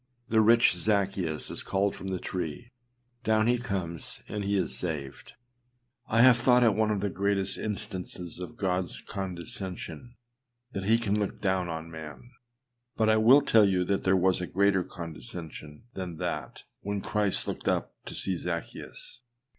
The rich Zaccheus is called from the tree; down he comes, and he is saved. I have thought it one of the greatest instances of Godâs condescension that he can look down on man; but I will tell you there was a greater condescension than that, when Christ looked up to see Zaccheus.